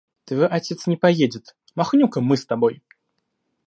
Твой отец не поедет; махнем-ка мы с тобой!